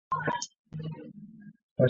拉岑是德国下萨克森州的一个市镇。